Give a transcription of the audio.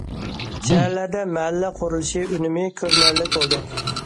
شەھەرلەردە مەھەللە قۇرۇلۇشى ئۈنۈمى كۆرۈنەرلىك بولدى.